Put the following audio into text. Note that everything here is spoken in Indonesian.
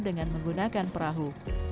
dengan menggunakan perahu